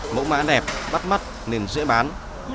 mẫu mã đẹp bắt mắt nên dễ bán